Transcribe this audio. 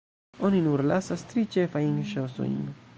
Oni nur lasas tri ĉefajn ŝosojn.